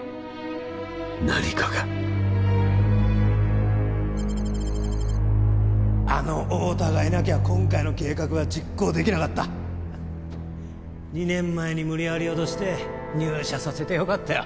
何かがあの太田がいなきゃ今回の計画は実行できなかった２年前に無理やり脅して入社させてよかったよ